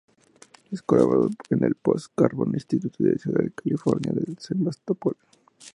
Es colaborador en el "Post Carbon Institute" de la ciudad californiana de Sebastopol.